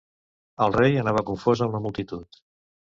El rei anava confós amb la multitud.